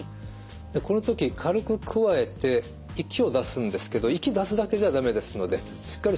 この時軽くくわえて息を出すんですけど息出すだけじゃ駄目ですのでしっかり